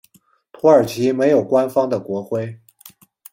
土耳其没有官方的国徽。